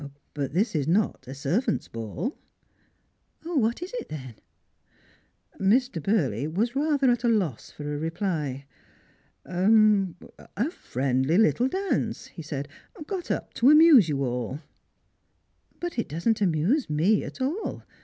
But this is not a servants' ball." " What is it, then ?" Mr. Burley was rather at a loss for a reply. " A — a friendly little dance," he said, " got up to amuse you all." •' But it doesn't amuse me at all.